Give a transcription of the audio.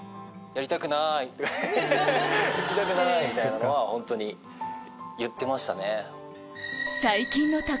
行きたくない！みたいなのは本当に言ってましたね。